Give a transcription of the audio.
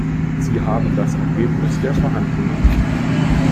Sie haben das Ergebnis der Verhandlungen.